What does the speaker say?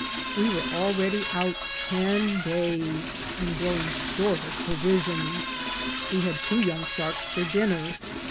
We were already out ten days, and growing short of provisions ; we had two young shaiks for dinner.